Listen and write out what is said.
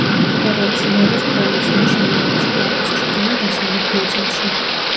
მდებარეობს ლორეს პროვინციაში, ლორის პლატოს ჩრდილო-დასავლეთ ნაწილში.